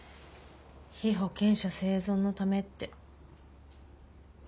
「被保険者生存のため」って。